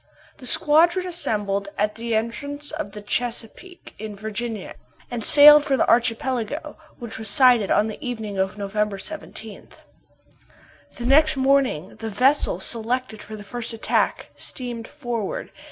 The squadron assembled at the entrance to the Chesapeake, in Virginia, and sailed for the archipelago, which was sighted on the evening of November 17. The next morning the vessel selected for the first attack, steamed forward.